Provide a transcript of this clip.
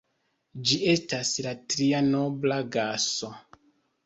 Ĝi estas la tria nobla gaso.